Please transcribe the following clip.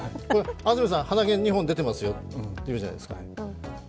安住さん、鼻毛２本出てますよと言うじゃないですか。